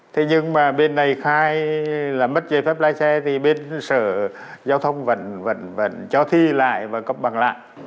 thế nhưng mà bên này khai là mất giấy phép lái xe thì bên sở giao thông vẫn cho thi lại và cấp bằng lại